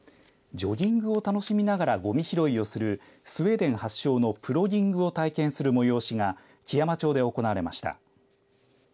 ジョギングを楽しみながらゴミ拾いをするスウェーデン発祥のプロギングを体験する催しが基山町で行われました。